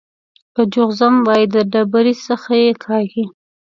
که چوخ ځم وايي د ډبرۍ څخه يې کاږي.